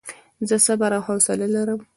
زه صبر او حوصله لرم.